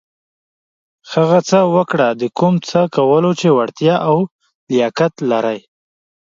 هغه څه وکړه د کوم څه کولو چې وړتېا او لياقت لرٸ.